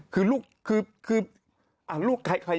ถูกคือฮะลูกใคร